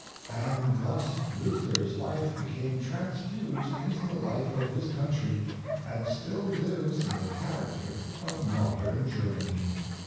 And thus Luther's life became transfused into the Jife of his country, and still lives in the charac ter of modern Germany.